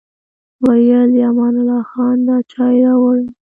ویل یې امان الله خان دا چای راوړی و.